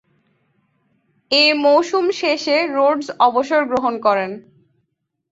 এ মৌসুম শেষে রোডস অবসর গ্রহণ করেন।